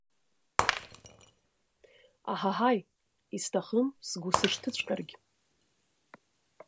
Аҳаҳаи, исҭахым сгәы сышьҭыҵәҟьаргь.